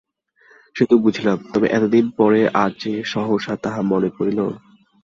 সে তো বুঝিলাম, তবে এতদিন পরে আজ যে সহসা তাহা মনে পড়িল?